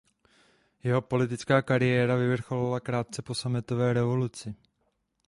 Jeho politická kariéra vyvrcholila krátce po sametové revoluci.